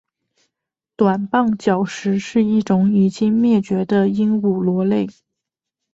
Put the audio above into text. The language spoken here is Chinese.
短棒角石是一属已灭绝的鹦鹉螺类。